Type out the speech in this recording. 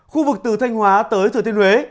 khu vực từ thanh hóa tới thừa thiên huế